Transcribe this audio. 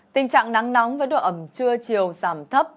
tình trạng nắng nóng với độ ẩm trưa chiều giảm thấp